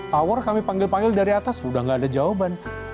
tower kami panggil panggil dari atas udah gak ada jawaban